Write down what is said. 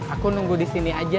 aku nunggu di sini aja